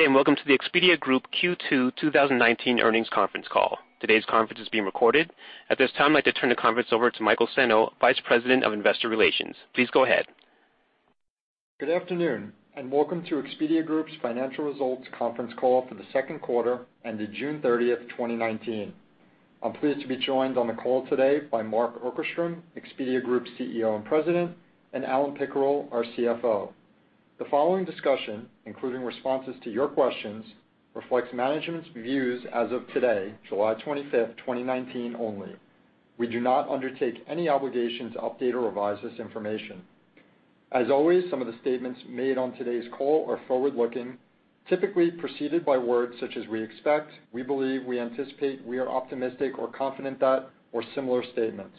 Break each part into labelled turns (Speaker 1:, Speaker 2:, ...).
Speaker 1: Good day, welcome to the Expedia Group Q2 2019 earnings conference call. Today's conference is being recorded. At this time, I'd like to turn the conference over to Michael Senno, Vice President of Investor Relations. Please go ahead.
Speaker 2: Good afternoon, and welcome to Expedia Group's financial results conference call for the second quarter ending June 30th, 2019. I'm pleased to be joined on the call today by Mark Okerstrom, Expedia Group's CEO and President, and Alan Pickerill, our CFO. The following discussion, including responses to your questions, reflects management's views as of today, July 25th, 2019 only. We do not undertake any obligation to update or revise this information. As always, some of the statements made on today's call are forward-looking, typically preceded by words such as we expect, we believe, we anticipate, we are optimistic, or confident that, or similar statements.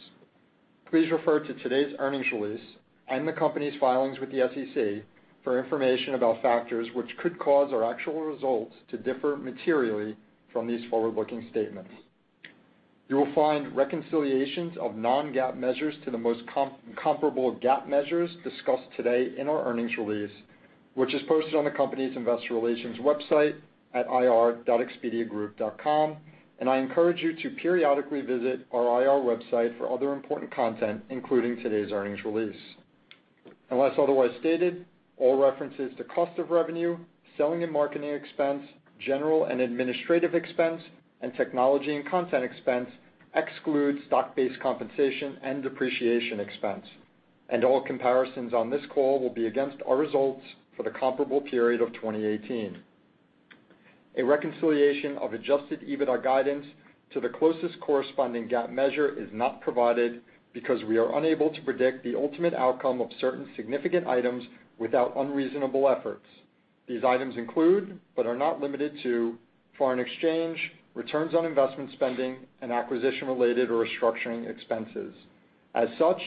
Speaker 2: Please refer to today's earnings release and the company's filings with the SEC for information about factors which could cause our actual results to differ materially from these forward-looking statements. You will find reconciliations of non-GAAP measures to the most comparable GAAP measures discussed today in our earnings release, which is posted on the company's investor relations website at ir.expediagroup.com, and I encourage you to periodically visit our IR website for other important content, including today's earnings release. Unless otherwise stated, all references to cost of revenue, selling and marketing expense, general and administrative expense, and technology and content expense exclude stock-based compensation and depreciation expense. All comparisons on this call will be against our results for the comparable period of 2018. A reconciliation of adjusted EBITDA guidance to the closest corresponding GAAP measure is not provided because we are unable to predict the ultimate outcome of certain significant items without unreasonable efforts. These items include, but are not limited to, foreign exchange, returns on investment spending, and acquisition-related or restructuring expenses. As such,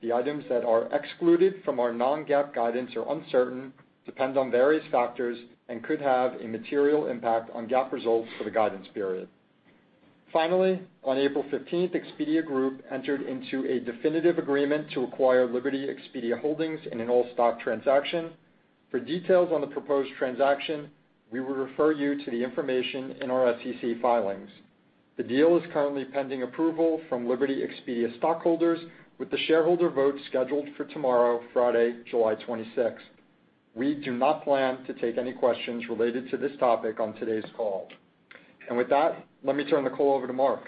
Speaker 2: the items that are excluded from our non-GAAP guidance are uncertain, depend on various factors, and could have a material impact on GAAP results for the guidance period. Finally, on April 15th, Expedia Group entered into a definitive agreement to acquire Liberty Expedia Holdings in an all-stock transaction. For details on the proposed transaction, we would refer you to the information in our SEC filings. The deal is currently pending approval from Liberty Expedia stockholders with the shareholder vote scheduled for tomorrow, Friday, July 26th. We do not plan to take any questions related to this topic on today's call. With that, let me turn the call over to Mark.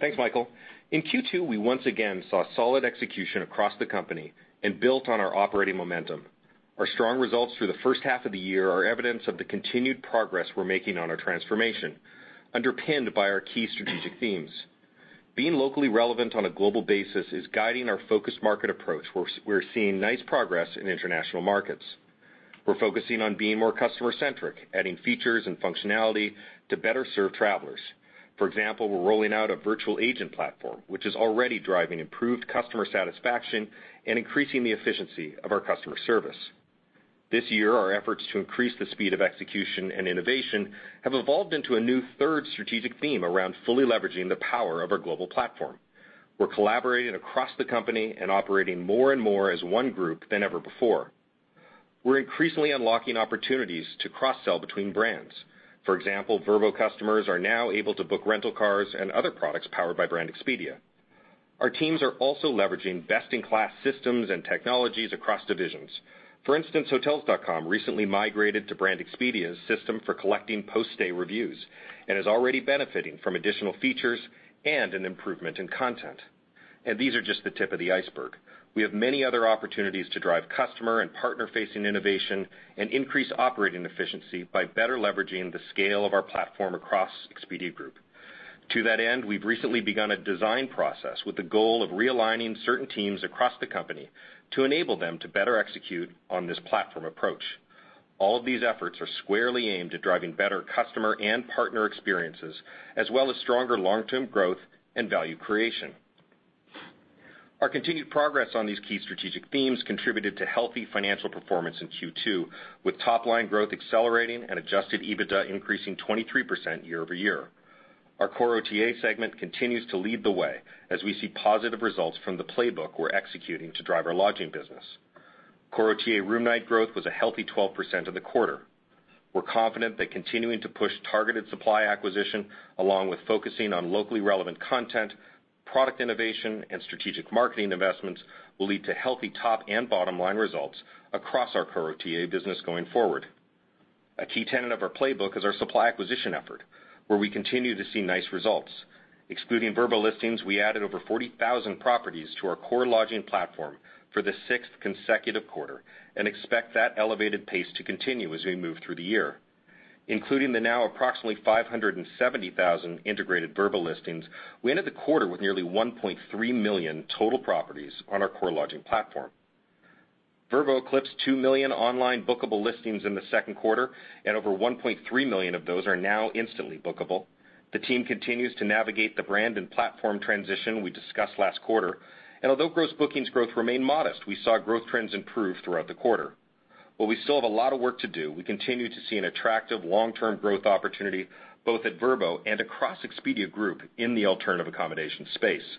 Speaker 3: Thanks, Michael. In Q2, we once again saw solid execution across the company and built on our operating momentum. Our strong results through the first half of the year are evidence of the continued progress we're making on our transformation, underpinned by our key strategic themes. Being locally relevant on a global basis is guiding our focused market approach. We're seeing nice progress in international markets. We're focusing on being more customer-centric, adding features and functionality to better serve travelers. For example, we're rolling out a virtual agent platform, which is already driving improved customer satisfaction and increasing the efficiency of our customer service. This year, our efforts to increase the speed of execution and innovation have evolved into a new third strategic theme around fully leveraging the power of our global platform. We're collaborating across the company and operating more and more as one group than ever before. We're increasingly unlocking opportunities to cross-sell between brands. For example, Vrbo customers are now able to book rental cars and other products powered by Brand Expedia. Our teams are also leveraging best-in-class systems and technologies across divisions. For instance, Hotels.com recently migrated to Brand Expedia's system for collecting post-stay reviews and is already benefiting from additional features and an improvement in content. And these are just the tip of the iceberg. We have many other opportunities to drive customer and partner-facing innovation and increase operating efficiency by better leveraging the scale of our platform across Expedia Group. To that end, we've recently begun a design process with the goal of realigning certain teams across the company to enable them to better execute on this platform approach. All of these efforts are squarely aimed at driving better customer and partner experiences, as well as stronger long-term growth and value creation. Our continued progress on these key strategic themes contributed to healthy financial performance in Q2, with top-line growth accelerating and adjusted EBITDA increasing 23% year-over-year. Our core OTA segment continues to lead the way as we see positive results from the playbook we're executing to drive our lodging business. Core OTA room night growth was a healthy 12% in the quarter. We're confident that continuing to push targeted supply acquisition, along with focusing on locally relevant content, product innovation, and strategic marketing investments, will lead to healthy top and bottom-line results across our core OTA business going forward. A key tenet of our playbook is our supply acquisition effort, where we continue to see nice results. Excluding Vrbo listings, we added over 40,000 properties to our core lodging platform for the sixth consecutive quarter and expect that elevated pace to continue as we move through the year. Including the now approximately 570,000 integrated Vrbo listings, we ended the quarter with nearly 1.3 million total properties on our core lodging platform. Vrbo eclipsed 2 million online bookable listings in the second quarter, and over 1.3 million of those are now instantly bookable. The team continues to navigate the brand and platform transition we discussed last quarter, and although gross bookings growth remained modest, we saw growth trends improve throughout the quarter. While we still have a lot of work to do, we continue to see an attractive long-term growth opportunity both at Vrbo and across Expedia Group in the alternative accommodation space.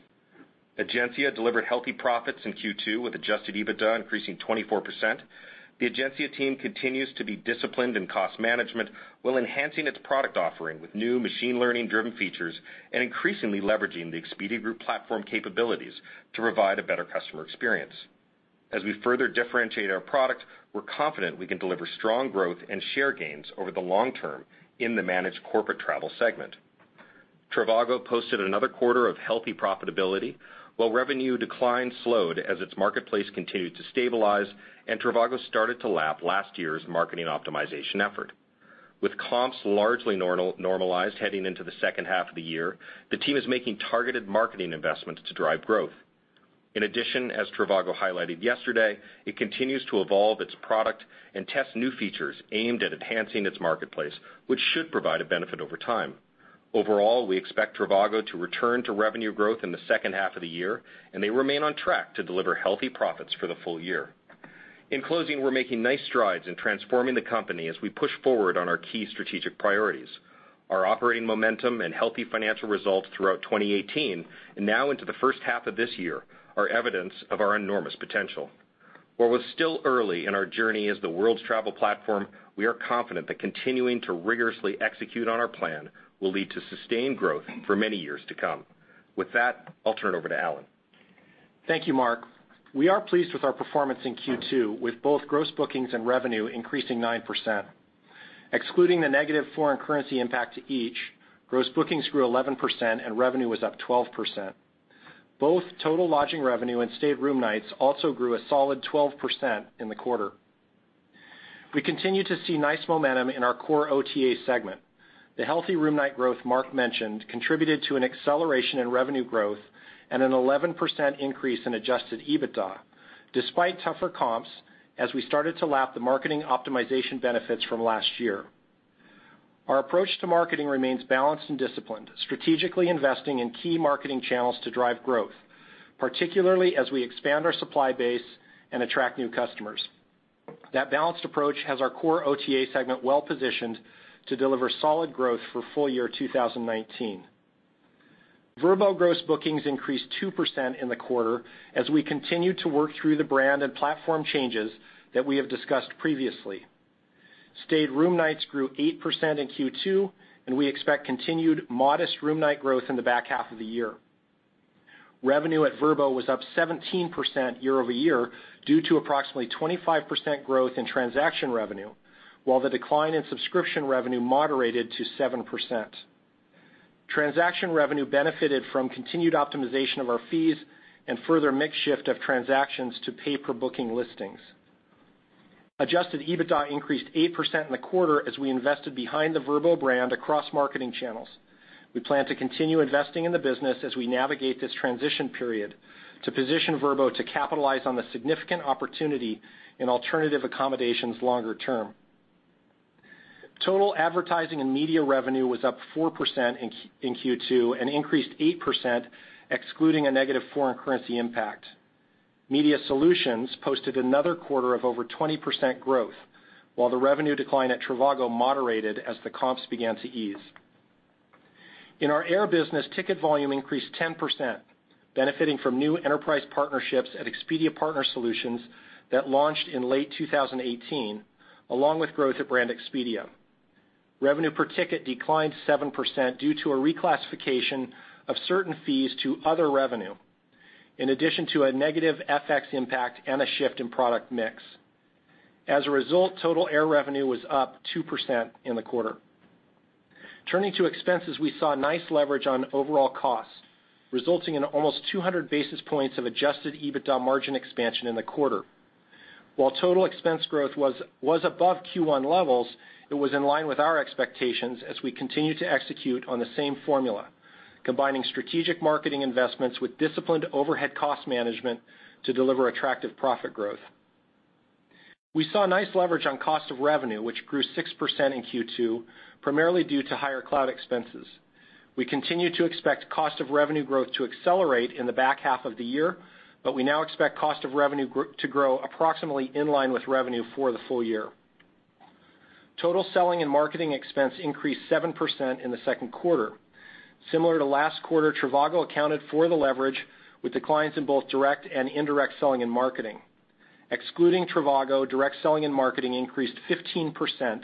Speaker 3: Egencia delivered healthy profits in Q2 with adjusted EBITDA increasing 24%. The Egencia team continues to be disciplined in cost management while enhancing its product offering with new machine learning-driven features and increasingly leveraging the Expedia Group platform capabilities to provide a better customer experience. As we further differentiate our product, we're confident we can deliver strong growth and share gains over the long term in the managed corporate travel segment. Trivago posted another quarter of healthy profitability, while revenue decline slowed as its marketplace continued to stabilize and trivago started to lap last year's marketing optimization effort. With comps largely normalized heading into the second half of the year, the team is making targeted marketing investments to drive growth. In addition, as trivago highlighted yesterday, it continues to evolve its product and test new features aimed at enhancing its marketplace, which should provide a benefit over time. Overall, we expect trivago to return to revenue growth in the second half of the year, and they remain on track to deliver healthy profits for the full year. In closing, we're making nice strides in transforming the company as we push forward on our key strategic priorities. Our operating momentum and healthy financial results throughout 2018 and now into the first half of this year are evidence of our enormous potential. While we're still early in our journey as the world's travel platform, we are confident that continuing to rigorously execute on our plan will lead to sustained growth for many years to come. With that, I'll turn it over to Alan.
Speaker 4: Thank you, Mark. We are pleased with our performance in Q2, with both gross bookings and revenue increasing 9%. Excluding the negative foreign currency impact to each, gross bookings grew 11% and revenue was up 12%. Both total lodging revenue and stayed room nights also grew a solid 12% in the quarter. We continue to see nice momentum in our core OTA segment. The healthy room night growth Mark mentioned contributed to an acceleration in revenue growth and an 11% increase in adjusted EBITDA, despite tougher comps as we started to lap the marketing optimization benefits from last year. Our approach to marketing remains balanced and disciplined, strategically investing in key marketing channels to drive growth, particularly as we expand our supply base and attract new customers. That balanced approach has our core OTA segment well-positioned to deliver solid growth for full year 2019. Vrbo gross bookings increased 2% in the quarter as we continue to work through the brand and platform changes that we have discussed previously. Stayed room nights grew 8% in Q2, and we expect continued modest room night growth in the back half of the year. Revenue at Vrbo was up 17% year-over-year due to approximately 25% growth in transaction revenue, while the decline in subscription revenue moderated to 7%. Transaction revenue benefited from continued optimization of our fees and further mix shift of transactions to pay per booking listings. Adjusted EBITDA increased 8% in the quarter as we invested behind the Vrbo brand across marketing channels. We plan to continue investing in the business as we navigate this transition period to position Vrbo to capitalize on the significant opportunity in alternative accommodations longer term. Total advertising and media revenue was up 4% in Q2 and increased 8%, excluding a negative foreign currency impact. Media Solutions posted another quarter of over 20% growth, while the revenue decline at trivago moderated as the comps began to ease. In our air business, ticket volume increased 10%, benefiting from new enterprise partnerships at Expedia Partner Solutions that launched in late 2018, along with growth at Brand Expedia. Revenue per ticket declined 7% due to a reclassification of certain fees to other revenue, in addition to a negative FX impact and a shift in product mix. As a result, total air revenue was up 2% in the quarter. Turning to expenses, we saw nice leverage on overall costs, resulting in almost 200 basis points of adjusted EBITDA margin expansion in the quarter. While total expense growth was above Q1 levels, it was in line with our expectations as we continue to execute on the same formula, combining strategic marketing investments with disciplined overhead cost management to deliver attractive profit growth. We saw nice leverage on cost of revenue, which grew 6% in Q2, primarily due to higher cloud expenses. We continue to expect cost of revenue growth to accelerate in the back half of the year, we now expect cost of revenue to grow approximately in line with revenue for the full year. Total selling and marketing expense increased 7% in the second quarter. Similar to last quarter, trivago accounted for the leverage with declines in both direct and indirect selling and marketing. Excluding trivago, direct selling and marketing increased 15%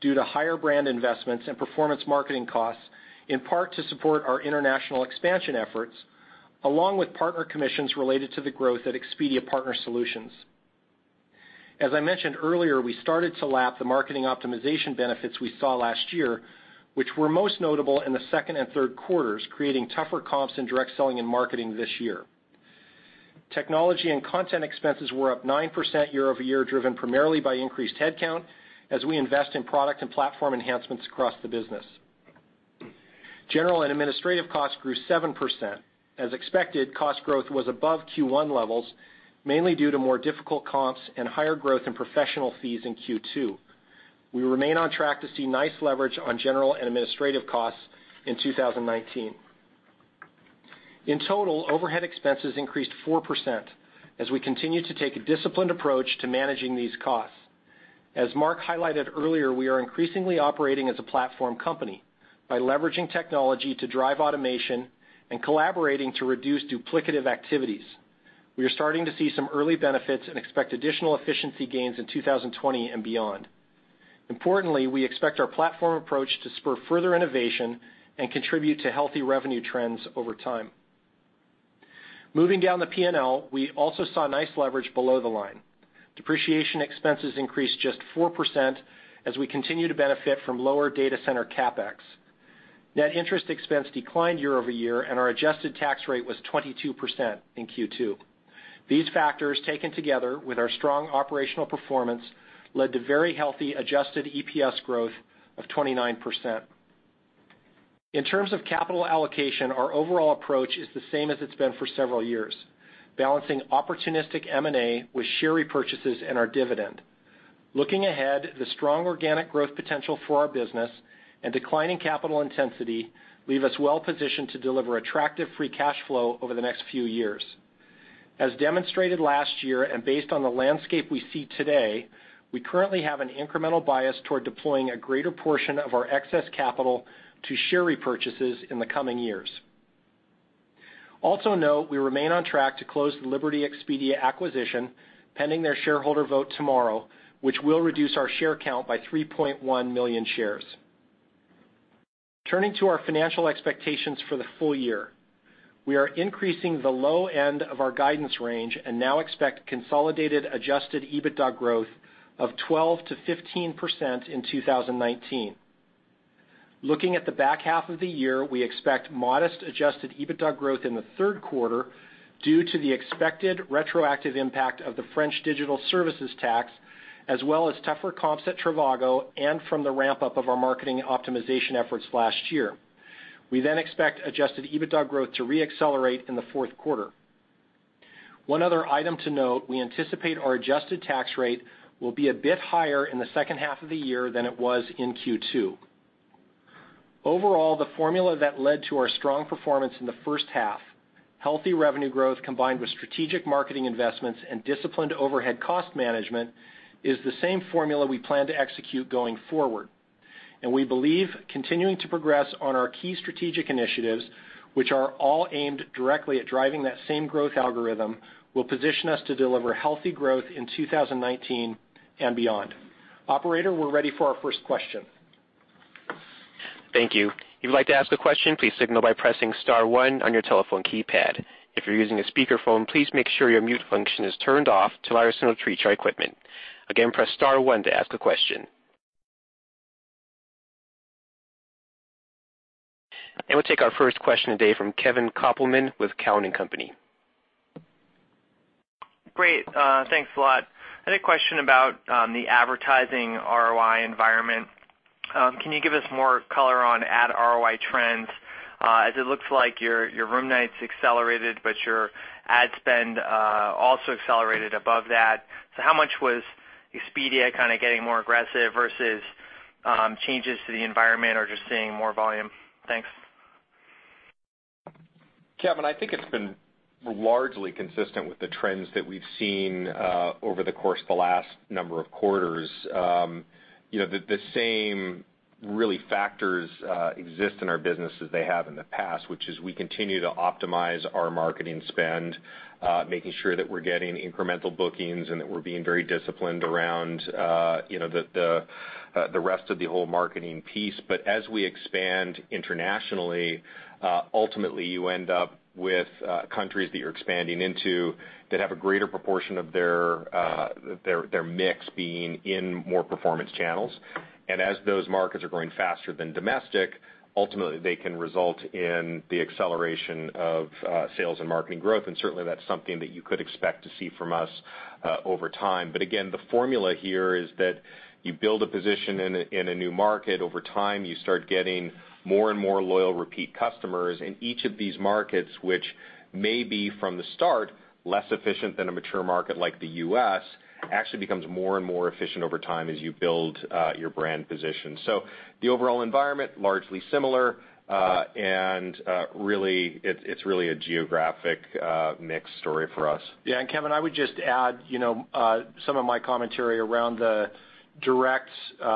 Speaker 4: due to higher brand investments and performance marketing costs, in part to support our international expansion efforts, along with partner commissions related to the growth at Expedia Partner Solutions. As I mentioned earlier, we started to lap the marketing optimization benefits we saw last year, which were most notable in the second and third quarters, creating tougher comps in direct selling and marketing this year. Technology and content expenses were up 9% year-over-year, driven primarily by increased headcount as we invest in product and platform enhancements across the business. General and administrative costs grew 7%. As expected, cost growth was above Q1 levels, mainly due to more difficult comps and higher growth in professional fees in Q2. We remain on track to see nice leverage on general and administrative costs in 2019. In total, overhead expenses increased 4% as we continue to take a disciplined approach to managing these costs. As Mark highlighted earlier, we are increasingly operating as a platform company by leveraging technology to drive automation and collaborating to reduce duplicative activities. We are starting to see some early benefits and expect additional efficiency gains in 2020 and beyond. Importantly, we expect our platform approach to spur further innovation and contribute to healthy revenue trends over time. Moving down the P&L, we also saw nice leverage below the line. Depreciation expenses increased just 4% as we continue to benefit from lower data center CapEx. Net interest expense declined year-over-year, and our adjusted tax rate was 22% in Q2. These factors, taken together with our strong operational performance, led to very healthy adjusted EPS growth of 29%. In terms of capital allocation, our overall approach is the same as it's been for several years, balancing opportunistic M&A with share repurchases and our dividend. Looking ahead, the strong organic growth potential for our business and declining capital intensity leave us well positioned to deliver attractive free cash flow over the next few years. As demonstrated last year and based on the landscape we see today, we currently have an incremental bias toward deploying a greater portion of our excess capital to share repurchases in the coming years. Also note, we remain on track to close the Liberty Expedia acquisition pending their shareholder vote tomorrow, which will reduce our share count by 3.1 million shares. Turning to our financial expectations for the full year, we are increasing the low end of our guidance range and now expect consolidated adjusted EBITDA growth of 12%-15% in 2019. Looking at the back half of the year, we expect modest adjusted EBITDA growth in the third quarter due to the expected retroactive impact of the French digital services tax, as well as tougher comps at trivago and from the ramp-up of our marketing optimization efforts last year. We then expect adjusted EBITDA growth to re-accelerate in the fourth quarter. One other item to note, we anticipate our adjusted tax rate will be a bit higher in the second half of the year than it was in Q2. Overall, the formula that led to our strong performance in the first half, healthy revenue growth combined with strategic marketing investments and disciplined overhead cost management, is the same formula we plan to execute going forward. We believe continuing to progress on our key strategic initiatives, which are all aimed directly at driving that same growth algorithm, will position us to deliver healthy growth in 2019 and beyond. Operator, we are ready for our first question.
Speaker 1: Thank you. If you'd like to ask a question, please signal by pressing star one on your telephone keypad. If you're using a speakerphone, please make sure your mute function is turned off to allow us to [treat your equipment]. Again, press star one to ask a question. We'll take our first question today from Kevin Kopelman with Cowen and Company.
Speaker 5: Great. Thanks a lot. I had a question about the advertising ROI environment. Can you give us more color on ad ROI trends? It looks like your room nights accelerated, but your ad spend also accelerated above that. How much was Expedia getting more aggressive versus changes to the environment or just seeing more volume? Thanks.
Speaker 3: Kevin, I think it's been largely consistent with the trends that we've seen over the course of the last number of quarters. The same really factors exist in our business as they have in the past, which is we continue to optimize our marketing spend, making sure that we're getting incremental bookings and that we're being very disciplined around the rest of the whole marketing piece. As we expand internationally, ultimately you end up with countries that you're expanding into that have a greater proportion of their mix being in more performance channels. As those markets are growing faster than domestic, ultimately they can result in the acceleration of sales and marketing growth. Certainly, that's something that you could expect to see from us over time. Again, the formula here is that you build a position in a new market. Over time, you start getting more and more loyal repeat customers in each of these markets, which may be from the start, less efficient than a mature market like the U.S., actually becomes more and more efficient over time as you build your brand position. The overall environment, largely similar, and it's really a geographic mix story for us.
Speaker 4: Yeah. Kevin, I would just add some of my commentary around the direct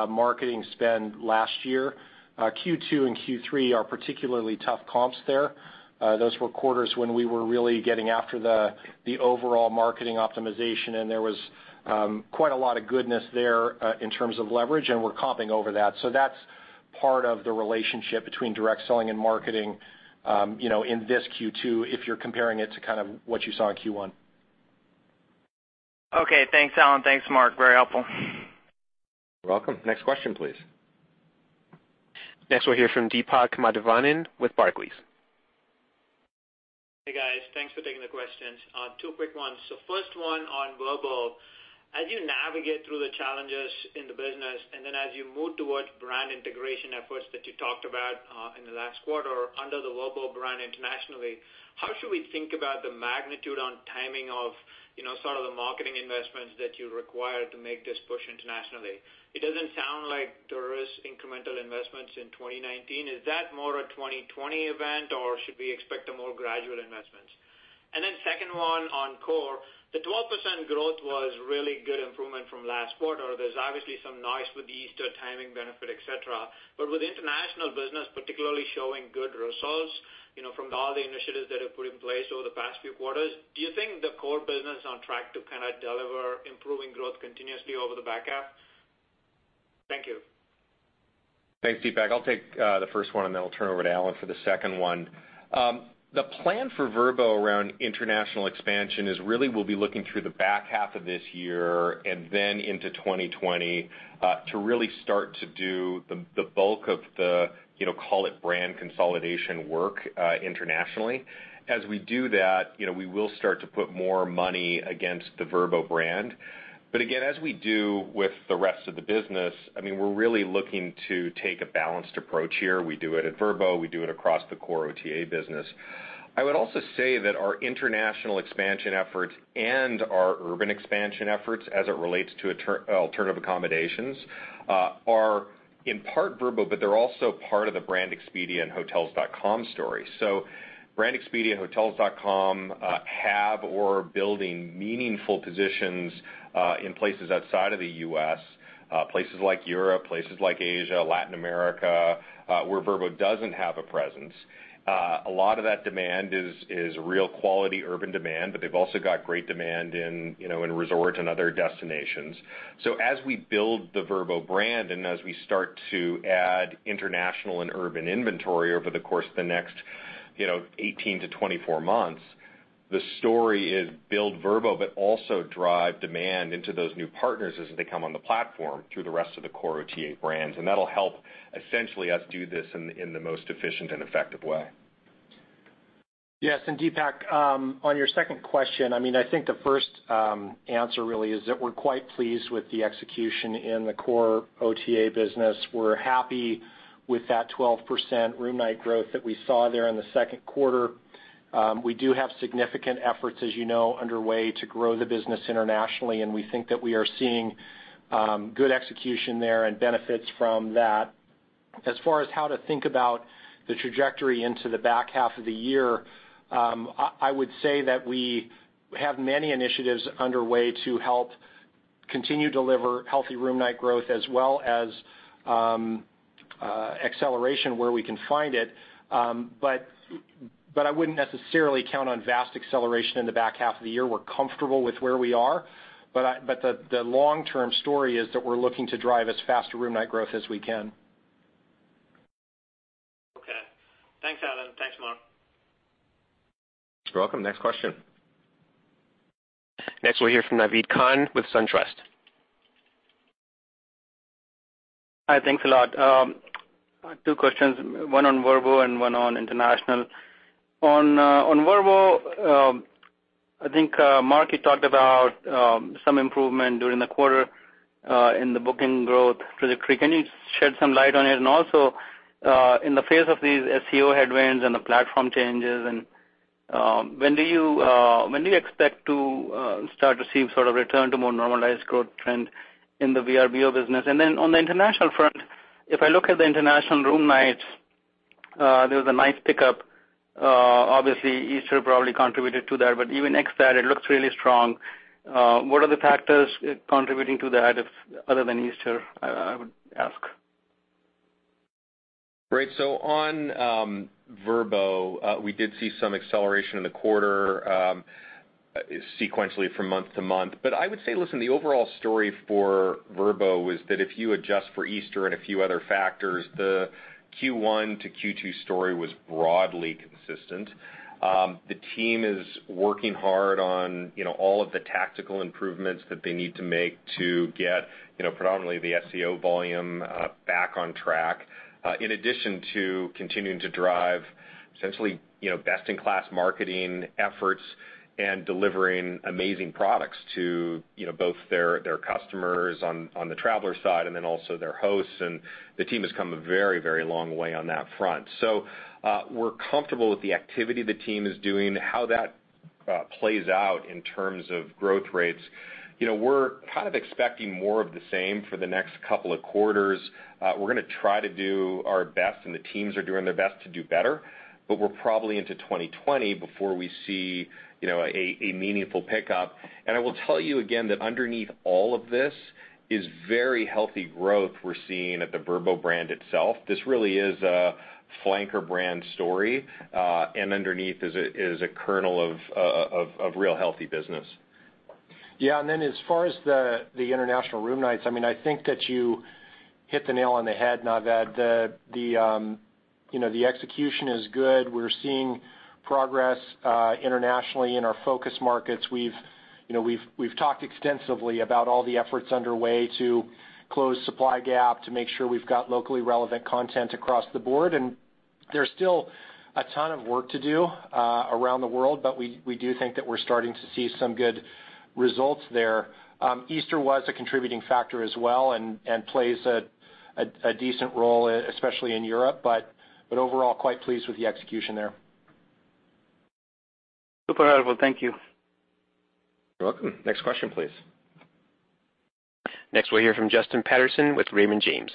Speaker 4: marketing spend last year. Q2 and Q3 are particularly tough comps there. Those were quarters when we were really getting after the overall marketing optimization, and there was quite a lot of goodness there in terms of leverage, and we're comping over that. That's part of the relationship between direct selling and marketing in this Q2, if you're comparing it to what you saw in Q1.
Speaker 5: Okay. Thanks, Alan. Thanks, Mark. Very helpful.
Speaker 3: You're welcome. Next question, please.
Speaker 1: Next, we'll hear from Deepak Mathivanan with Barclays.
Speaker 6: Hey, guys. Thanks for taking the questions. Two quick ones. First one on global. As you navigate through the challenges in the business, and then as you move towards brand integration efforts that you talked about in the last quarter under the global brand internationally, how should we think about the magnitude on timing of sort of the marketing investments that you require to make this push internationally? It doesn't sound like there is incremental investments in 2019. Is that more a 2020 event, or should we expect more gradual investments? Second one on core, the 12% growth was really good improvement from last quarter. There's obviously some noise with the Easter timing benefit, et cetera. With international business particularly showing good results from all the initiatives that have put in place over the past few quarters, do you think the core business is on track to deliver improving growth continuously over the back half? Thank you.
Speaker 3: Thanks, Deepak. I'll take the first one, and then I'll turn it over to Alan for the second one. The plan for Vrbo around international expansion is really we'll be looking through the back half of this year and then into 2020, to really start to do the bulk of the call it brand consolidation work internationally. As we do that, we will start to put more money against the Vrbo brand. Again, as we do with the rest of the business, we're really looking to take a balanced approach here. We do it at Vrbo. We do it across the core OTA business. I would also say that our international expansion efforts and our urban expansion efforts as it relates to alternative accommodations, are in part Vrbo, but they're also part of the Brand Expedia and Hotels.com story. Brand Expedia and Hotels.com have or are building meaningful positions in places outside of the U.S., places like Europe, places like Asia, Latin America, where Vrbo doesn't have a presence. A lot of that demand is real quality urban demand, but they've also got great demand in resorts and other destinations. As we build the Vrbo brand, and as we start to add international and urban inventory over the course of the next 18-24 months, the story is build Vrbo, but also drive demand into those new partners as they come on the platform through the rest of the core OTA brands. That'll help essentially us do this in the most efficient and effective way.
Speaker 4: Yes. Deepak, on your second question, I think the first answer really is that we're quite pleased with the execution in the core OTA business. We're happy with that 12% room night growth that we saw there in the second quarter. We do have significant efforts, as you know, underway to grow the business internationally, and we think that we are seeing good execution there and benefits from that. As far as how to think about the trajectory into the back half of the year, I would say that we have many initiatives underway to help continue to deliver healthy room night growth as well as acceleration where we can find it. I wouldn't necessarily count on vast acceleration in the back half of the year. We're comfortable with where we are, but the long-term story is that we're looking to drive as fast a room night growth as we can.
Speaker 6: Okay. Thanks, Alan. Thanks, Mark.
Speaker 3: You're welcome. Next question.
Speaker 1: Next we'll hear from Naved Khan with SunTrust.
Speaker 7: Hi. Thanks a lot. Two questions, one on Vrbo and one on international. On Vrbo, I think, Mark, you talked about some improvement during the quarter in the booking growth trajectory. Can you shed some light on it? Also, in the face of these SEO headwinds and the platform changes, when do you expect to start to see sort of return to more normalized growth trend in the Vrbo business? Then on the international front, if I look at the international room nights, there was a nice pickup. Obviously, Easter probably contributed to that, but even next to that, it looks really strong. What are the factors contributing to that other than Easter, I would ask?
Speaker 3: Great. On Vrbo, we did see some acceleration in the quarter, sequentially from month-to-month. I would say, listen, the overall story for Vrbo is that if you adjust for Easter and a few other factors, the Q1 to Q2 story was broadly consistent. The team is working hard on all of the tactical improvements that they need to make to get predominantly the SEO volume back on track. In addition to continuing to drive essentially best-in-class marketing efforts and delivering amazing products to both their customers on the traveler side and then also their hosts, and the team has come a very long way on that front. We're comfortable with the activity the team is doing, how that plays out in terms of growth rates. We're kind of expecting more of the same for the next couple of quarters. We're going to try to do our best, and the teams are doing their best to do better, but we're probably into 2020 before we see a meaningful pickup. I will tell you again that underneath all of this is very healthy growth we're seeing at the Vrbo brand itself. This really is a flanker brand story, and underneath is a kernel of real healthy business.
Speaker 4: As far as the international room nights, I think that you hit the nail on the head, Naved. The execution is good. We're seeing progress internationally in our focus markets. We've talked extensively about all the efforts underway to close supply gap to make sure we've got locally relevant content across the board, and there's still a ton of work to do around the world, but we do think that we're starting to see some good results there. Easter was a contributing factor as well, and plays a decent role, especially in Europe, but overall quite pleased with the execution there.
Speaker 7: Super helpful. Thank you.
Speaker 3: You're welcome. Next question, please.
Speaker 1: Next, we'll hear from Justin Patterson with Raymond James.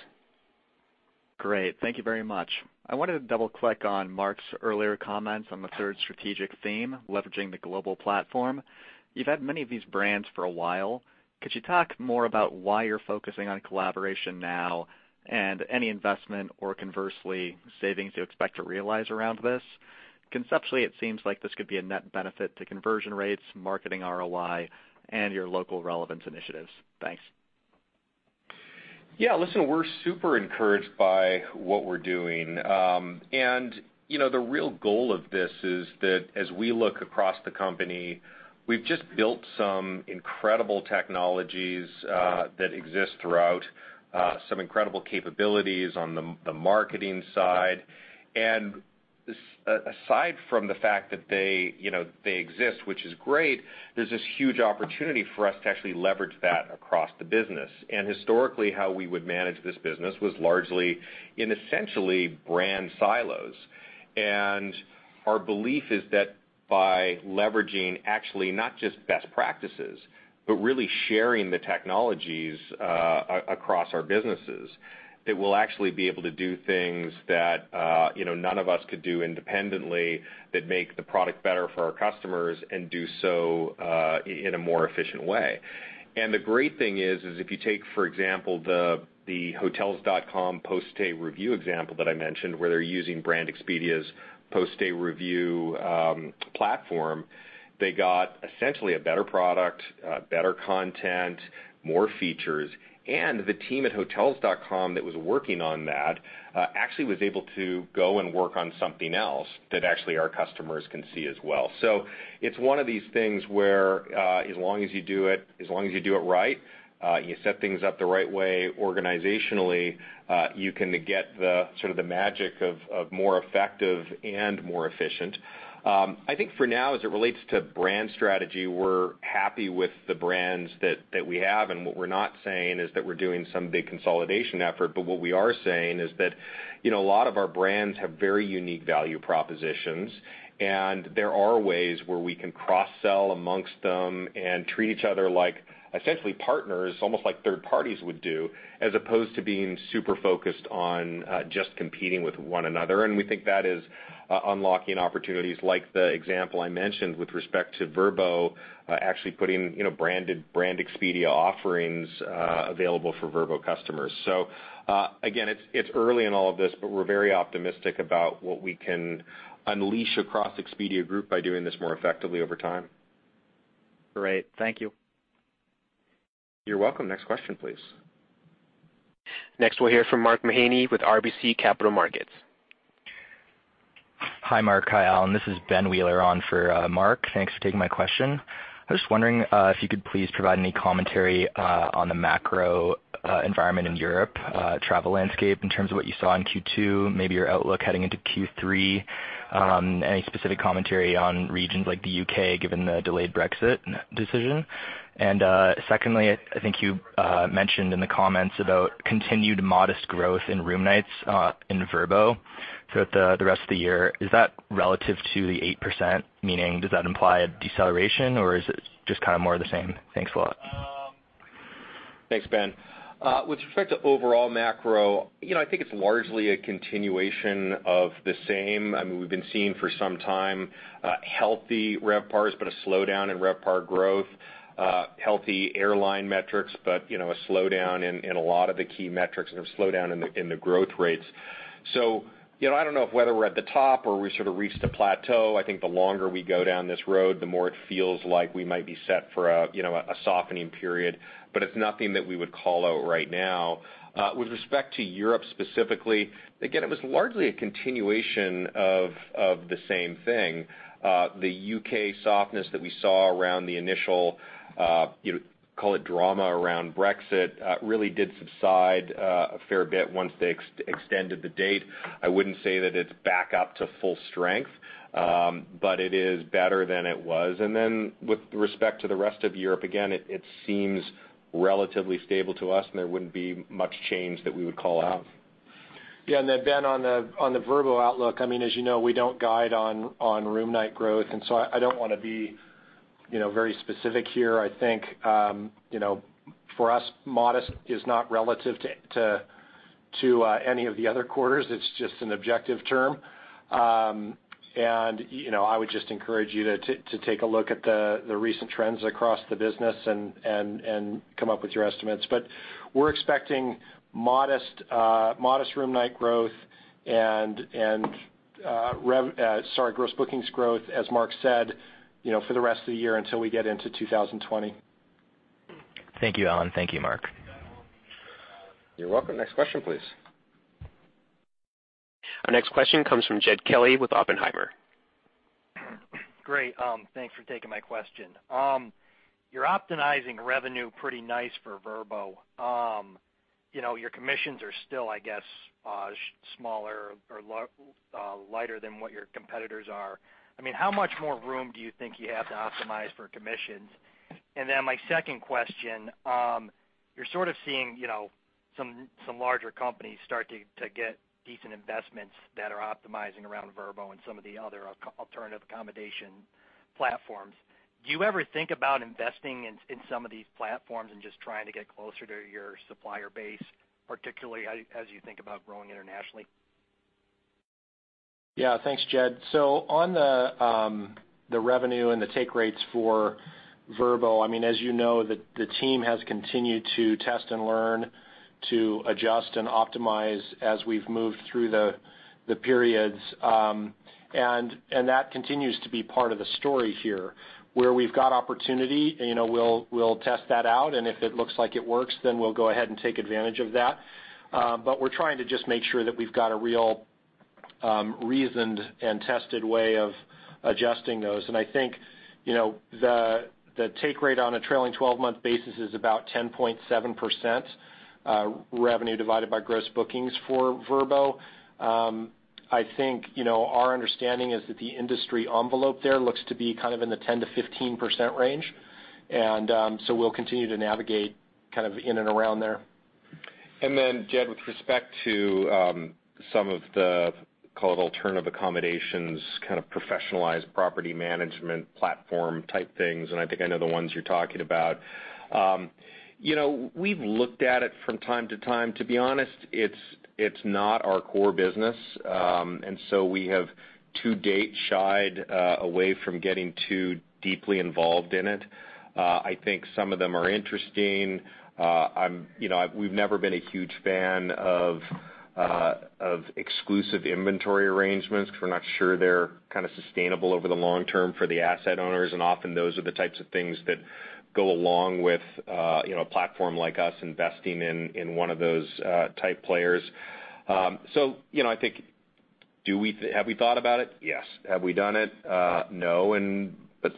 Speaker 8: Great. Thank you very much. I wanted to double-click on Mark's earlier comments on the third strategic theme, leveraging the global platform. You've had many of these brands for a while. Could you talk more about why you're focusing on collaboration now and any investment, or conversely, savings you expect to realize around this? Conceptually, it seems like this could be a net benefit to conversion rates, marketing ROI, and your local relevance initiatives. Thanks.
Speaker 3: Yeah. Listen, we're super encouraged by what we're doing. The real goal of this is that as we look across the company, we've just built some incredible technologies that exist throughout, some incredible capabilities on the marketing side. Aside from the fact that they exist, which is great, there's this huge opportunity for us to actually leverage that across the business. Historically, how we would manage this business was largely in essentially brand silos. Our belief is that by leveraging actually not just best practices, but really sharing the technologies across our businesses, that we'll actually be able to do things that none of us could do independently that make the product better for our customers and do so in a more efficient way. The great thing is if you take, for example, the Hotels.com Post-stay review example that I mentioned, where they're using Brand Expedia's Post-stay review platform, they got essentially a better product, better content, more features, and the team at Hotels.com that was working on that actually was able to go and work on something else that actually our customers can see as well. It's one of these things where as long as you do it right, you set things up the right way organizationally, you can get the sort of the magic of more effective and more efficient. I think for now, as it relates to brand strategy, we're happy with the brands that we have. What we're not saying is that we're doing some big consolidation effort. What we are saying is that a lot of our brands have very unique value propositions. There are ways where we can cross-sell amongst them and treat each other like, essentially partners, almost like third parties would do, as opposed to being super focused on just competing with one another. We think that is unlocking opportunities like the example I mentioned with respect to Vrbo actually putting Brand Expedia offerings available for Vrbo customers. Again, it's early in all of this, but we're very optimistic about what we can unleash across Expedia Group by doing this more effectively over time.
Speaker 8: Great. Thank you.
Speaker 3: You're welcome. Next question, please.
Speaker 1: Next, we'll hear from Mark Mahaney with RBC Capital Markets.
Speaker 9: Hi, Mark. Hi, Alan. This is Ben Wheeler on for Mark. Thanks for taking my question. I was just wondering if you could please provide any commentary on the macro environment in Europe travel landscape in terms of what you saw in Q2, maybe your outlook heading into Q3, any specific commentary on regions like the U.K., given the delayed Brexit decision? Secondly, I think you mentioned in the comments about continued modest growth in room nights in Vrbo throughout the rest of the year. Is that relative to the 8%? Meaning, does that imply a deceleration, or is it just kind of more the same? Thanks a lot.
Speaker 3: Thanks, Ben. With respect to overall macro, I think it's largely a continuation of the same. I mean, we've been seeing for some time healthy RevPARs, but a slowdown in RevPAR growth, healthy airline metrics, but a slowdown in a lot of the key metrics and a slowdown in the growth rates. I don't know whether we're at the top or we sort of reached a plateau. I think the longer we go down this road, the more it feels like we might be set for a softening period. It's nothing that we would call out right now. With respect to Europe specifically, again, it was largely a continuation of the same thing. The U.K. softness that we saw around the initial, call it drama around Brexit, really did subside a fair bit once they extended the date. I wouldn't say that it's back up to full strength, but it is better than it was. With respect to the rest of Europe, again, it seems relatively stable to us, and there wouldn't be much change that we would call out.
Speaker 4: Yeah. Then Ben, on the Vrbo outlook, as you know, we don't guide on room night growth, and so I don't want to be very specific here. I think, for us, modest is not relative to any of the other quarters. It's just an objective term. I would just encourage you to take a look at the recent trends across the business and come up with your estimates. We're expecting modest room night growth and gross bookings growth, as Mark said, for the rest of the year until we get into 2020.
Speaker 9: Thank you, Alan. Thank you, Mark.
Speaker 3: You're welcome. Next question, please.
Speaker 1: Our next question comes from Jed Kelly with Oppenheimer.
Speaker 10: Great. Thanks for taking my question. You're optimizing revenue pretty nice for Vrbo. Your commissions are still, I guess, smaller or lighter than what your competitors are. How much more room do you think you have to optimize for commissions? My second question, you're sort of seeing some larger companies start to get decent investments that are optimizing around Vrbo and some of the other alternative accommodation platforms. Do you ever think about investing in some of these platforms and just trying to get closer to your supplier base, particularly as you think about growing internationally?
Speaker 4: Yeah. Thanks, Jed. On the revenue and the take rates for Vrbo, as you know, the team has continued to test and learn, to adjust and optimize as we've moved through the periods. That continues to be part of the story here. Where we've got opportunity, we'll test that out, and if it looks like it works, then we'll go ahead and take advantage of that. We're trying to just make sure that we've got a real reasoned and tested way of adjusting those. I think, the take rate on a trailing 12-month basis is about 10.7% revenue divided by gross bookings for Vrbo. I think, our understanding is that the industry envelope there looks to be in the 10%-15% range. We'll continue to navigate in and around there.
Speaker 3: Jed, with respect to some of the, call it alternative accommodations, professionalized property management platform type things, and I think I know the ones you're talking about. We've looked at it from time to time. To be honest, it's not our core business. We have, to date, shied away from getting too deeply involved in it. I think some of them are interesting. We've never been a huge fan of exclusive inventory arrangements because we're not sure they're sustainable over the long term for the asset owners, and often those are the types of things that go along with a platform like us investing in one of those type players. I think, have we thought about it? Yes. Have we done it? No.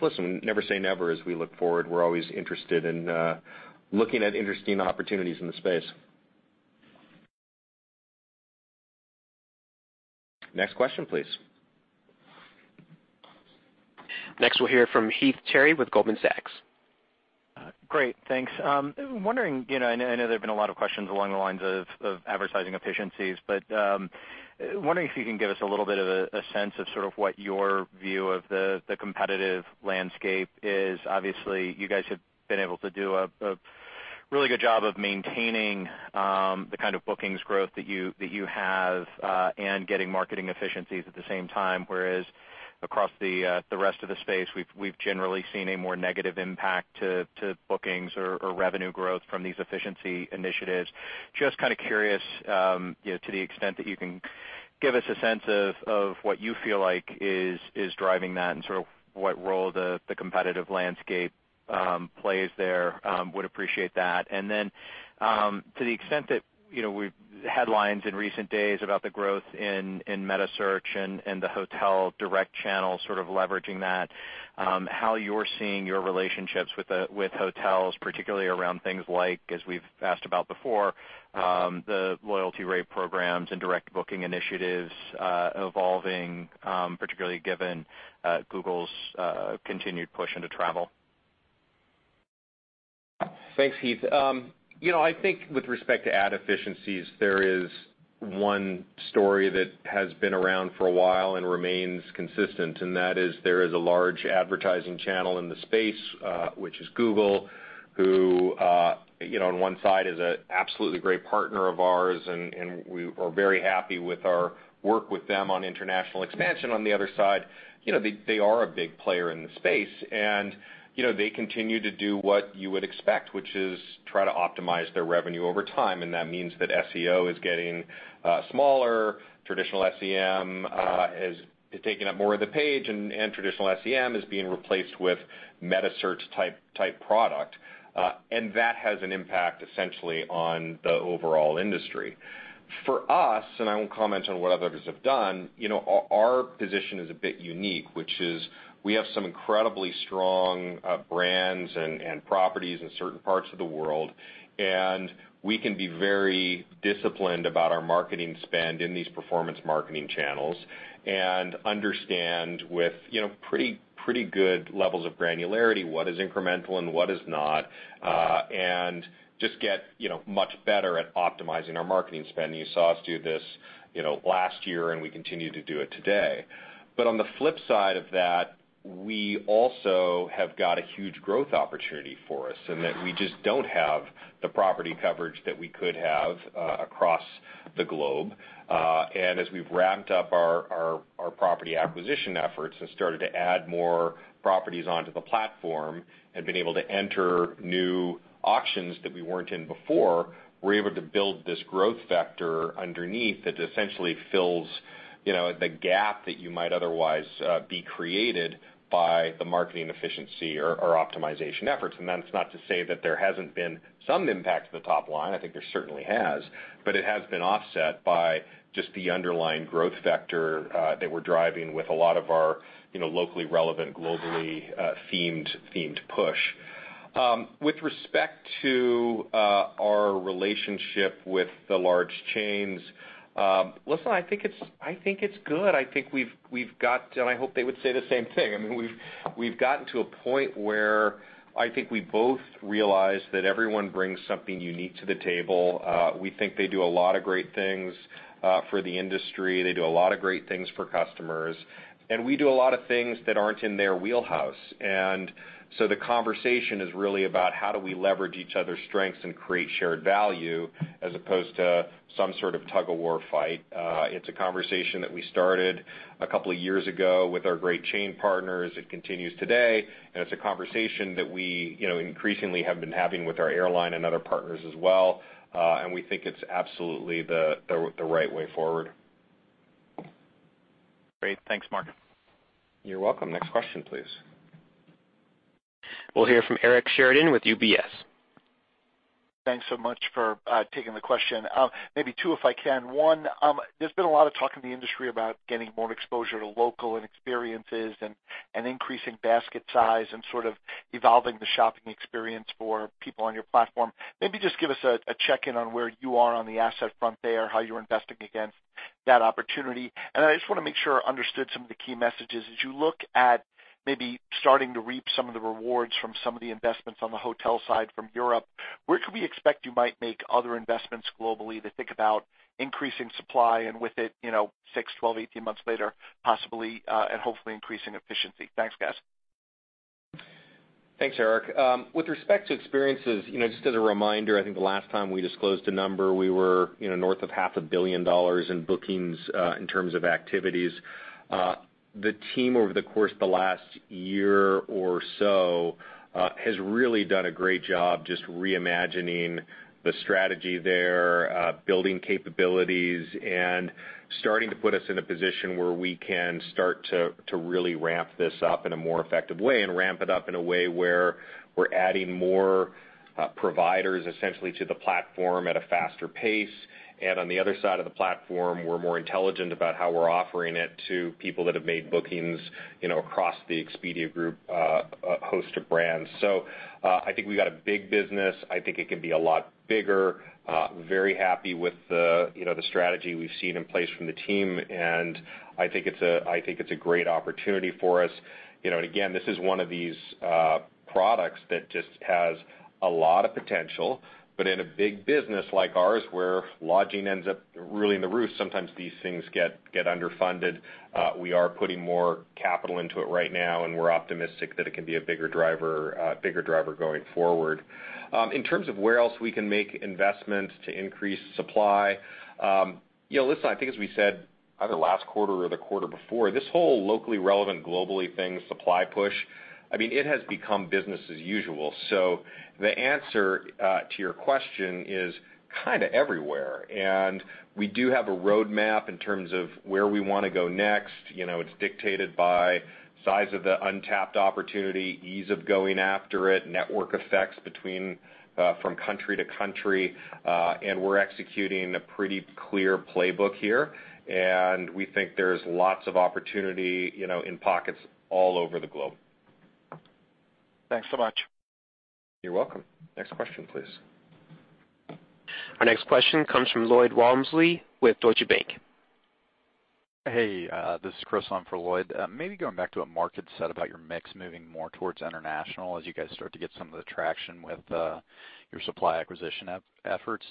Speaker 3: Listen, never say never as we look forward. We're always interested in looking at interesting opportunities in the space. Next question, please.
Speaker 1: Next, we'll hear from Heath Terry with Goldman Sachs.
Speaker 11: Great. Thanks. I've been wondering, I know there have been a lot of questions along the lines of advertising efficiencies, wondering if you can give us a little bit of a sense of sort of what your view of the competitive landscape is. Obviously, you guys have been able to do a really good job of maintaining the kind of bookings growth that you have, and getting marketing efficiencies at the same time, whereas across the rest of the space, we've generally seen a more negative impact to bookings or revenue growth from these efficiency initiatives. Just kind of curious, to the extent that you can give us a sense of what you feel like is driving that and sort of what role the competitive landscape plays there, would appreciate that. To the extent that, headlines in recent days about the growth in metasearch and the hotel direct channel sort of leveraging that, how you're seeing your relationships with hotels, particularly around things like, as we've asked about before, the loyalty rate programs and direct booking initiatives evolving, particularly given Google's continued push into travel.
Speaker 3: Thanks, Heath. I think with respect to ad efficiencies, there is one story that has been around for a while and remains consistent, and that is there is a large advertising channel in the space, which is Google, who, on one side, is an absolutely great partner of ours, and we are very happy with our work with them on international expansion. On the other side, they are a big player in the space. They continue to do what you would expect, which is try to optimize their revenue over time, and that means that SEO is getting smaller. Traditional SEM is taking up more of the page, and traditional SEM is being replaced with metasearch-type product. That has an impact, essentially, on the overall industry. For us, and I won't comment on what others have done, our position is a bit unique, which is we have some incredibly strong brands and properties in certain parts of the world, and we can be very disciplined about our marketing spend in these performance marketing channels and understand with pretty good levels of granularity what is incremental and what is not, and just get much better at optimizing our marketing spend. You saw us do this last year, and we continue to do it today. On the flip side of that, we also have got a huge growth opportunity for us in that we just don't have the property coverage that we could have across the globe. As we've ramped up our property acquisition efforts, and started to add more properties onto the platform, and been able to enter new auctions that we weren't in before, we're able to build this growth vector underneath that essentially fills the gap that you might otherwise be created by the marketing efficiency or optimization efforts. That's not to say that there hasn't been some impact to the top line. I think there certainly has. It has been offset by just the underlying growth vector that we're driving with a lot of our locally relevant, globally themed push. With respect to our relationship with the large chains, listen, I think it's good. I think we've got, and I hope they would say the same thing. We've gotten to a point where I think we both realize that everyone brings something unique to the table. We think they do a lot of great things for the industry. They do a lot of great things for customers, and we do a lot of things that aren't in their wheelhouse. The conversation is really about how do we leverage each other's strengths and create shared value as opposed to some sort of tug-of-war fight. It's a conversation that we started a couple of years ago with our great chain partners. It continues today, and it's a conversation that we increasingly have been having with our airline and other partners as well. We think it's absolutely the right way forward.
Speaker 11: Great. Thanks, Mark.
Speaker 3: You're welcome. Next question, please.
Speaker 1: We'll hear from Eric Sheridan with UBS.
Speaker 12: Thanks so much for taking the question. Maybe two, if I can. One, there's been a lot of talk in the industry about getting more exposure to local and experiences and increasing basket size and sort of evolving the shopping experience for people on your platform. Maybe just give us a check-in on where you are on the asset front there, how you're investing against that opportunity. I just want to make sure I understood some of the key messages. As you look at maybe starting to reap some of the rewards from some of the investments on the hotel side from Europe, where could we expect you might make other investments globally to think about increasing supply and with it, six, 12, 18 months later, possibly and hopefully increasing efficiency. Thanks, guys.
Speaker 3: Thanks, Eric. With respect to experiences, just as a reminder, I think the last time we disclosed a number, we were north of $500 million in bookings, in terms of activities. The team over the course of the last year or so has really done a great job just reimagining the strategy there, building capabilities and starting to put us in a position where we can start to really ramp this up in a more effective way and ramp it up in a way where we're adding more providers essentially to the platform at a faster pace. On the other side of the platform, we're more intelligent about how we're offering it to people that have made bookings across the Expedia Group host of brands. I think we got a big business. I think it can be a lot bigger. Very happy with the strategy we've seen in place from the team, and I think it's a great opportunity for us. Again, this is one of these products that just has a lot of potential. In a big business like ours, where lodging ends up really in the roof, sometimes these things get underfunded. We are putting more capital into it right now, and we're optimistic that it can be a bigger driver going forward. In terms of where else we can make investments to increase supply, listen, I think as we said, either last quarter or the quarter before, this whole locally relevant globally thing, supply push, it has become business as usual. The answer to your question is kind of everywhere. We do have a roadmap in terms of where we want to go next. It's dictated by size of the untapped opportunity, ease of going after it, network effects from country to country, and we're executing a pretty clear playbook here, and we think there's lots of opportunity in pockets all over the globe.
Speaker 12: Thanks so much.
Speaker 3: You're welcome. Next question, please.
Speaker 1: Our next question comes from Lloyd Walmsley with Deutsche Bank.
Speaker 13: Hey, this is Chris on for Lloyd. Maybe going back to what Mark had said about your mix moving more towards international as you guys start to get some of the traction with your supply acquisition efforts.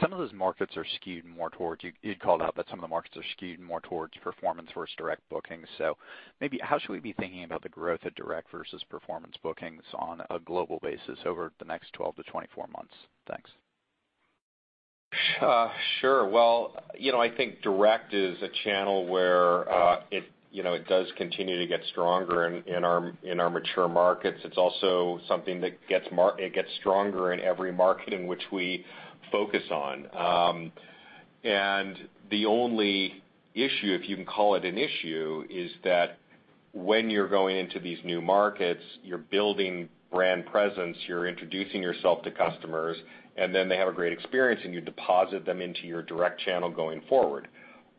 Speaker 13: Some of those markets are skewed more towards you'd called out that some of the markets are skewed more towards performance versus direct bookings. Maybe how should we be thinking about the growth of direct versus performance bookings on a global basis over the next 12-24 months? Thanks.
Speaker 3: Sure. Well, I think direct is a channel where it does continue to get stronger in our mature markets. It's also something that gets stronger in every market in which we focus on. The only issue, if you can call it an issue, is that when you're going into these new markets, you're building brand presence, you're introducing yourself to customers, and then they have a great experience, and you deposit them into your direct channel going forward.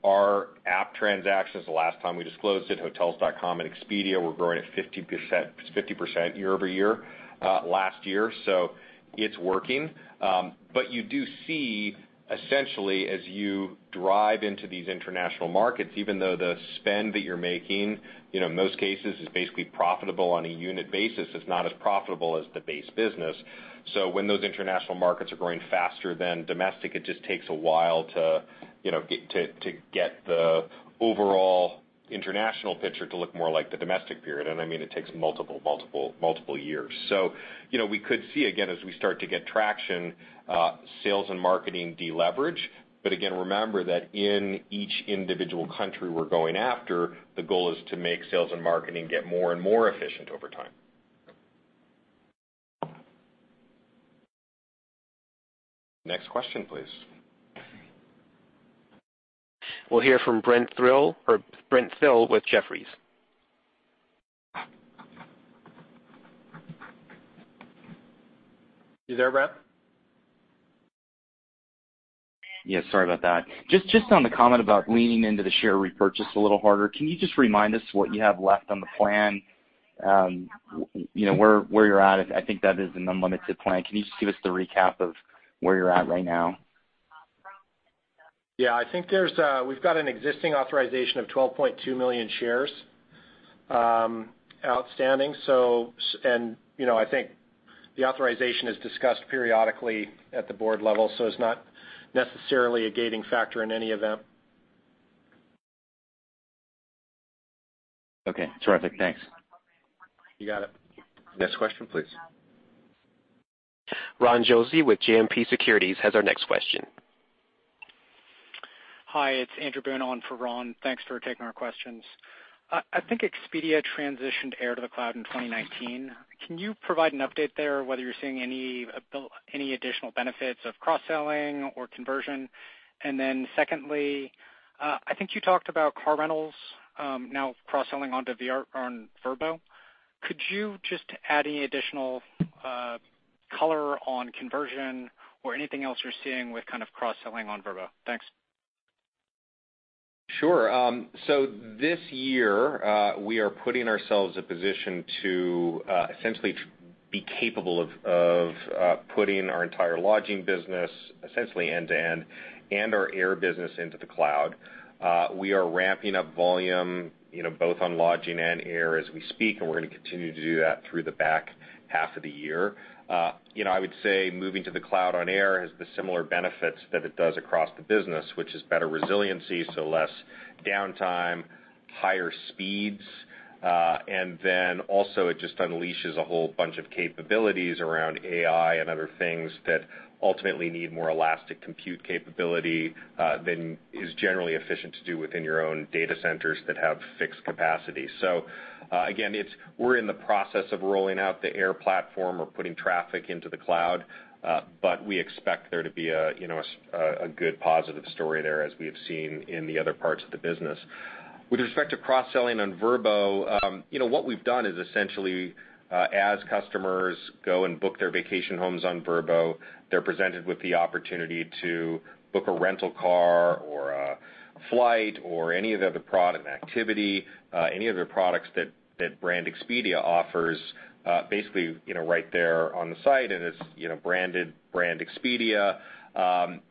Speaker 3: Our app transactions, the last time we disclosed it, Hotels.com and Expedia were growing at 50% year-over-year, last year. It's working. You do see essentially as you drive into these international markets, even though the spend that you're making, in most cases, is basically profitable on a unit basis, it's not as profitable as the base business. When those international markets are growing faster than domestic, it just takes a while to get the overall international picture to look more like the domestic period. I mean, it takes multiple years. We could see again as we start to get traction, sales and marketing deleverage. Again, remember that in each individual country we're going after, the goal is to make sales and marketing get more and more efficient over time. Next question, please.
Speaker 1: We'll hear from Brent Thill with Jefferies.
Speaker 3: You there, Brent?
Speaker 14: Yeah, sorry about that. Just on the comment about leaning into the share repurchase a little harder, can you just remind us what you have left on the plan, where you're at? I think that is an unlimited plan. Can you just give us the recap of where you're at right now?
Speaker 4: Yeah, I think we've got an existing authorization of 12.2 million shares outstanding. I think the authorization is discussed periodically at the board level, so it's not necessarily a gating factor in any event.
Speaker 14: Okay, terrific. Thanks.
Speaker 4: You got it.
Speaker 3: Next question, please.
Speaker 1: Ron Josey with JMP Securities has our next question.
Speaker 15: Hi, it's Andrew Boone on for Ron. Thanks for taking our questions. I think Expedia transitioned air to the cloud in 2019. Can you provide an update there, whether you're seeing any additional benefits of cross-selling or conversion? Secondly, I think you talked about car rentals now cross-selling onto Vrbo. Could you just add any additional color on conversion or anything else you're seeing with kind of cross-selling on Vrbo? Thanks.
Speaker 3: Sure. This year, we are putting ourselves in position to essentially be capable of putting our entire lodging business, essentially end-to-end, and our air business into the cloud. We are ramping up volume both on lodging and air as we speak, and we're going to continue to do that through the back half of the year. I would say moving to the cloud on air has the similar benefits that it does across the business, which is better resiliency, less downtime, higher speeds, and then also it just unleashes a whole bunch of capabilities around AI and other things that ultimately need more elastic compute capability than is generally efficient to do within your own data centers that have fixed capacity. Again, we're in the process of rolling out the air platform or putting traffic into the cloud, but we expect there to be a good positive story there as we have seen in the other parts of the business. With respect to cross-selling on Vrbo, what we've done is essentially as customers go and book their vacation homes on Vrbo, they're presented with the opportunity to book a rental car or a flight or any of the other product activity, any of the products that Brand Expedia offers, basically right there on the site, and it's branded Brand Expedia.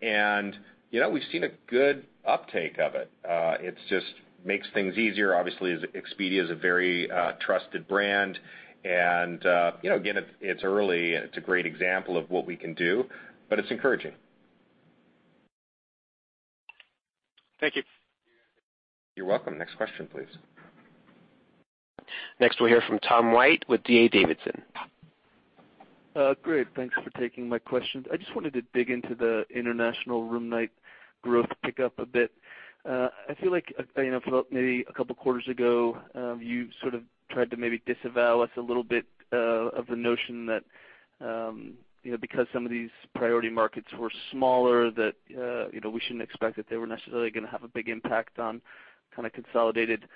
Speaker 3: We've seen a good uptake of it. It just makes things easier. Obviously, Expedia is a very trusted brand, and again, it's early and it's a great example of what we can do, but it's encouraging.
Speaker 15: Thank you.
Speaker 3: You're welcome. Next question, please.
Speaker 1: Next we'll hear from Tom White with D.A. Davidson.
Speaker 16: Great. Thanks for taking my questions. I just wanted to dig into the international room night growth pickup a bit. I feel like maybe a couple of quarters ago, you sort of tried to maybe disavow us a little bit of the notion that because some of these priority markets were smaller, that we shouldn't expect that they were necessarily going to have a big impact on kind of consolidated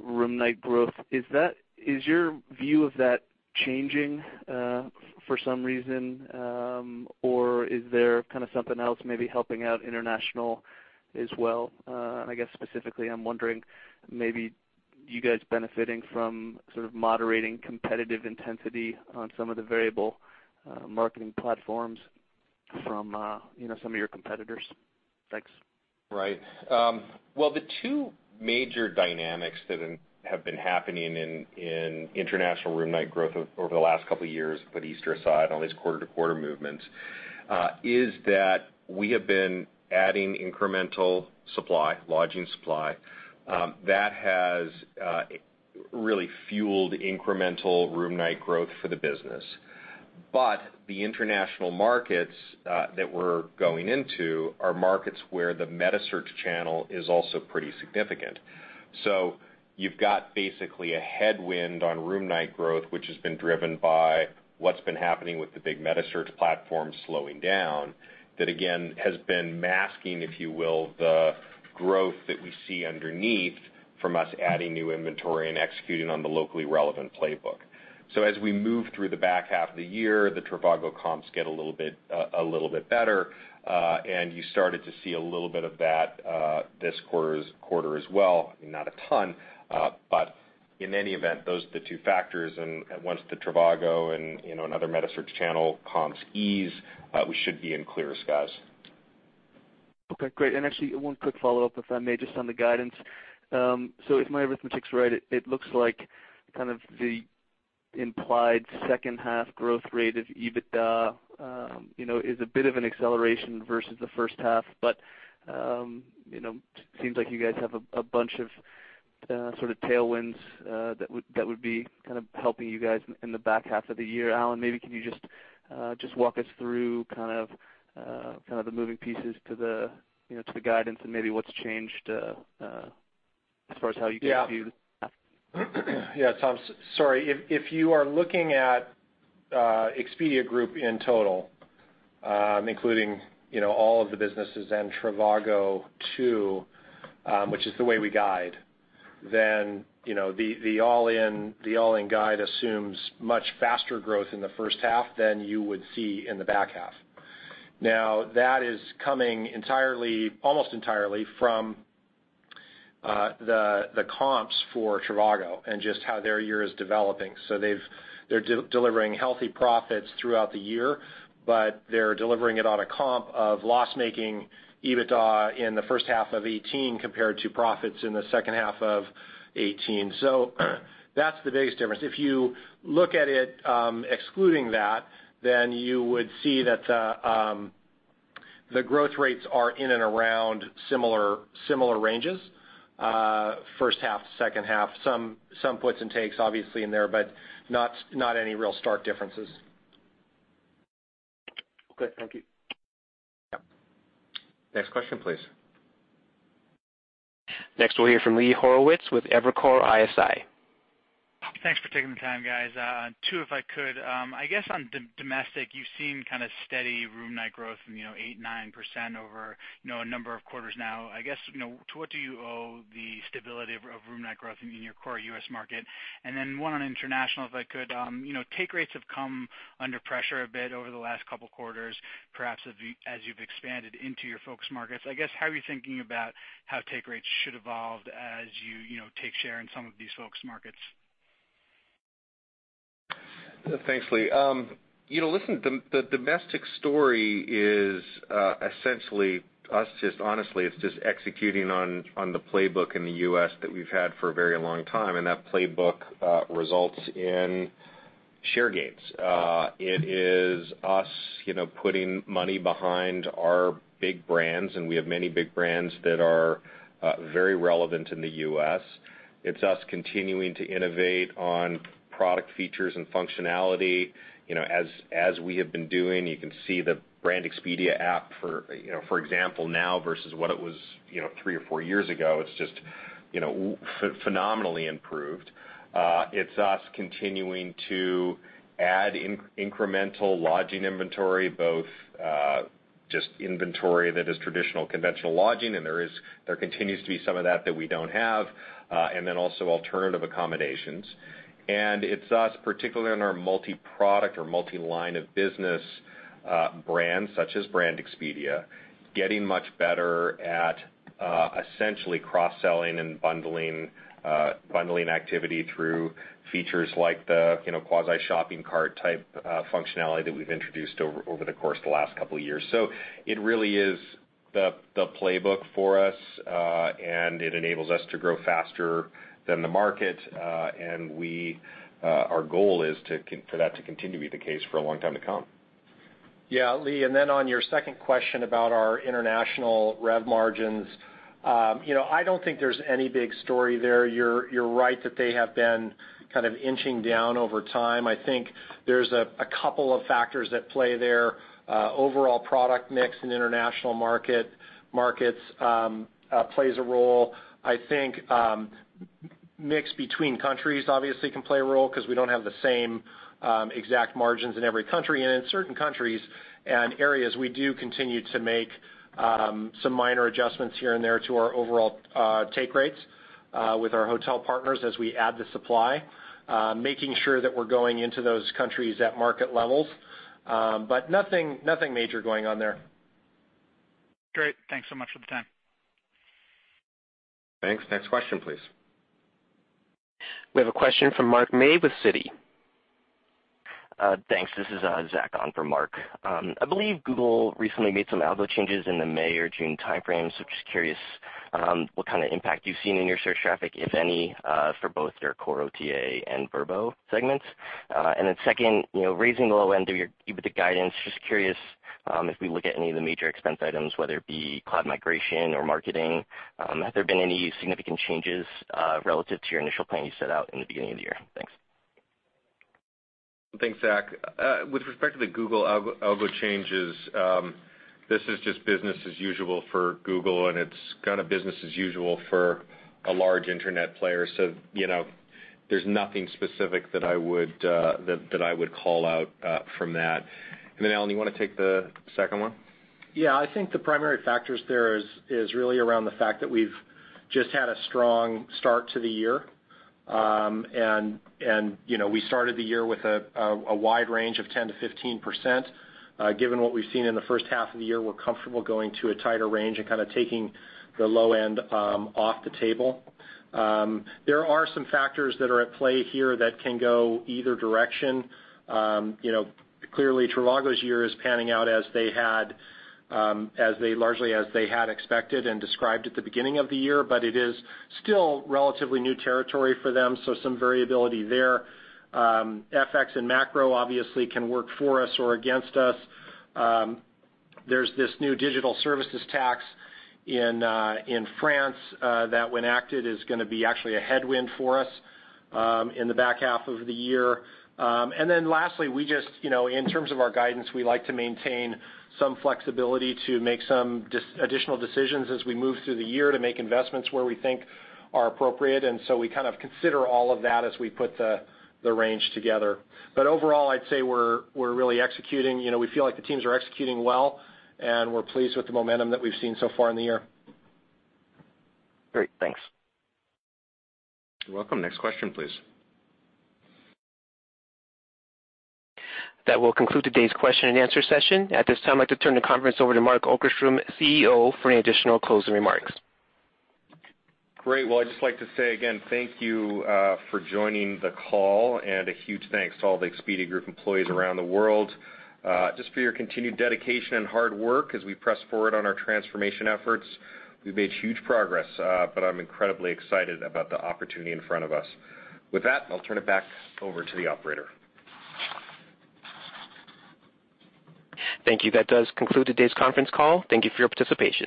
Speaker 16: room night growth. Is your view of that changing for some reason? Is there kind of something else maybe helping out international as well? I guess specifically I'm wondering, maybe you guys benefiting from sort of moderating competitive intensity on some of the variable marketing platforms from some of your competitors. Thanks.
Speaker 3: Right. Well, the two major dynamics that have been happening in international room night growth over the last couple of years, put Easter aside on these quarter-to-quarter movements, is that we have been adding incremental supply, lodging supply, that has really fueled incremental room night growth for the business. The international markets that we're going into are markets where the metasearch channel is also pretty significant. You've got basically a headwind on room night growth, which has been driven by what's been happening with the big metasearch platform slowing down. That, again, has been masking, if you will, the growth that we see underneath from us adding new inventory and executing on the locally relevant playbook. As we move through the back half of the year, the trivago comps get a little bit better, and you started to see a little bit of that this quarter as well. Not a ton, but in any event, those are the two factors. Once the trivago and another metasearch channel comps ease, we should be in clearer skies.
Speaker 16: Okay, great. Actually one quick follow-up, if I may, just on the guidance. If my arithmetic's right, it looks like kind of the implied second half growth rate of EBITDA is a bit of an acceleration versus the first half. It seems like you guys have a bunch of sort of tailwinds that would be kind of helping you guys in the back half of the year. Alan, maybe can you just walk us through kind of the moving pieces to the guidance and maybe what's changed as far as how you guys view this?
Speaker 4: Tom. If you are looking at Expedia Group in total, including all of the businesses and trivago too, which is the way we guide. The all-in guide assumes much faster growth in the first half than you would see in the back half. That is coming almost entirely from the comps for trivago and just how their year is developing. They're delivering healthy profits throughout the year, but they're delivering it on a comp of loss-making EBITDA in the first half of 2018 compared to profits in the second half of 2018. That's the biggest difference. If you look at it excluding that, you would see that the growth rates are in and around similar ranges, first half to second half. Some puts and takes obviously in there, not any real stark differences.
Speaker 16: Okay, thank you.
Speaker 4: Yep.
Speaker 3: Next question, please.
Speaker 1: Next, we'll hear from Lee Horowitz with Evercore ISI.
Speaker 17: Thanks for taking the time, guys. Two, if I could. I guess on domestic, you've seen steady room night growth from 8%, 9% over a number of quarters now. I guess, to what do you owe the stability of room night growth in your core U.S. market? Then one on international, if I could. Take rates have come under pressure a bit over the last couple of quarters, perhaps as you've expanded into your focus markets. I guess, how are you thinking about how take rates should evolve as you take share in some of these focus markets?
Speaker 3: Thanks, Lee. Listen, the domestic story is essentially us executing on the playbook in the U.S. that we've had for a very long time. That playbook results in share gains. It is us putting money behind our big brands. We have many big brands that are very relevant in the U.S. It's us continuing to innovate on product features and functionality, as we have been doing. You can see the Brand Expedia app, for example, now versus what it was three or four years ago. It's just phenomenally improved. It's us continuing to add incremental lodging inventory, both inventory that is traditional, conventional lodging. There continues to be some of that that we don't have. Then also alternative accommodations. It's us, particularly on our multi-product or multi-line of business brands, such as Brand Expedia, getting much better at essentially cross-selling and bundling activity through features like the quasi-shopping cart type functionality that we've introduced over the course of the last couple of years. It really is the playbook for us, and it enables us to grow faster than the market. Our goal is for that to continue to be the case for a long time to come.
Speaker 4: Yeah, Lee, on your second question about our international rev margins. I don't think there's any big story there. You're right that they have been kind of inching down over time. I think there's a couple of factors at play there. Overall product mix in international markets plays a role. I think mix between countries obviously can play a role because we don't have the same exact margins in every country. In certain countries and areas, we do continue to make some minor adjustments here and there to our overall take rates with our hotel partners as we add the supply, making sure that we're going into those countries at market levels. Nothing major going on there.
Speaker 17: Great. Thanks so much for the time.
Speaker 3: Thanks. Next question, please.
Speaker 1: We have a question from Mark May with Citi.
Speaker 18: Thanks. This is [Zach] on for Mark. I believe Google recently made some algo changes in the May or June timeframe. Just curious what kind of impact you've seen in your search traffic, if any, for both your core OTA and Vrbo segments. Second, raising the low end of your EBITDA guidance, just curious if we look at any of the major expense items, whether it be cloud migration or marketing, have there been any significant changes relative to your initial plan you set out in the beginning of the year? Thanks.
Speaker 3: Thanks, [Zach]. With respect to the Google algo changes, this is just business as usual for Google, and it's kind of business as usual for a large internet player. There's nothing specific that I would call out from that. Alan, you want to take the second one?
Speaker 4: Yeah, I think the primary factors there is really around the fact that we've just had a strong start to the year. We started the year with a wide range of 10%-15%. Given what we've seen in the first half of the year, we're comfortable going to a tighter range and kind of taking the low end off the table. There are some factors that are at play here that can go either direction. Clearly, trivago's year is panning out largely as they had expected and described at the beginning of the year, but it is still relatively new territory for them, so some variability there. FX and macro obviously can work for us or against us. There's this new digital services tax in France that, when acted, is going to be actually a headwind for us in the back half of the year. Lastly, in terms of our guidance, we like to maintain some flexibility to make some additional decisions as we move through the year to make investments where we think are appropriate. We kind of consider all of that as we put the range together. Overall, I'd say we're really executing. We feel like the teams are executing well, and we're pleased with the momentum that we've seen so far in the year.
Speaker 18: Great. Thanks.
Speaker 3: You're welcome. Next question, please.
Speaker 1: That will conclude today's question-and-answer session. At this time, I'd like to turn the conference over to Mark Okerstrom, CEO, for any additional closing remarks.
Speaker 3: Great. Well, I'd just like to say again, thank you for joining the call and a huge thanks to all the Expedia Group employees around the world just for your continued dedication and hard work as we press forward on our transformation efforts. We've made huge progress, but I'm incredibly excited about the opportunity in front of us. With that, I'll turn it back over to the operator.
Speaker 1: Thank you. That does conclude today's conference call. Thank you for your participation.